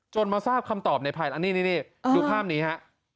จนมาทราบคำตอบในภายหลังนี่ดูภาพนี้ฮะ